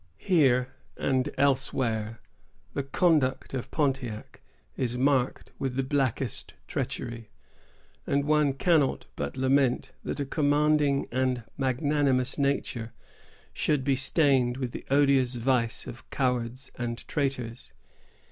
Here, and elsewhere, the conduct of Pontiac is marked with the blackest treachery; and one cannot but lament that a commanding and magnanimous nature should be stained with the odious vice of cowards and traitors.